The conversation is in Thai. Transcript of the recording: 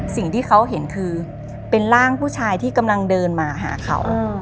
สิ่งที่เขาเห็นคือเป็นร่างผู้ชายที่กำลังเดินมาหาเขา